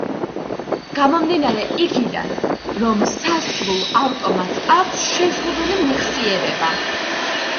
გამომდინარე იქიდან, რომ სასრულ ავტომატს აქვს შეზღუდული მეხსიერება.